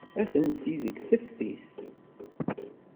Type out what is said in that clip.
Atenti deg teftist.